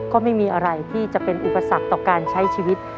ก็ไม่มีอะไรที่จะเป็นอุปสรรคต่อการใช้ชีวิต